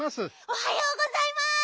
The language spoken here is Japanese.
おはようございます！